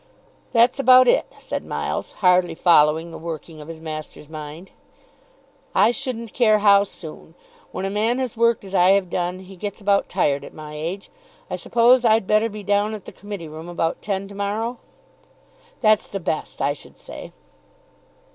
"That's about it," said Miles, hardly following the working of his master's mind. "I shouldn't care how soon. When a man has worked as I have done, he gets about tired at my age. I suppose I'd better be down at the committee room about ten to morrow?" "That's the best, I should say."